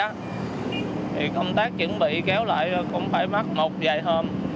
thì công tác chuẩn bị kéo lại cũng phải mất một vài hôm